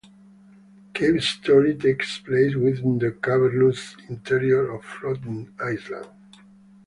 "Cave Story" takes place within the cavernous interior of a floating island.